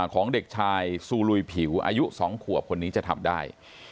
ของเด็กชายซูลุยผิวอายุ๒ขวบคนนี้จะทำได้